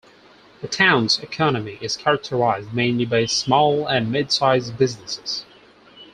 The town's economy is characterized mainly by small and midsize businesses.